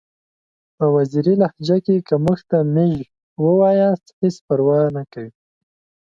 په وزیري لهجه کې که موږ ته میژ ووایاست هیڅ پروا نکوي!